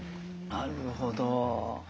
なるほど。